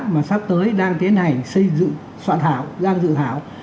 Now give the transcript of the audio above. mà sắp tới đang tiến hành xây dựng soạn hảo gian dự hảo